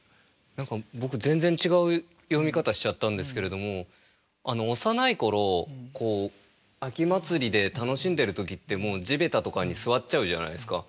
何か僕全然違う読み方しちゃったんですけれども幼い頃秋祭りで楽しんでる時ってもう地べたとかに座っちゃうじゃないですか。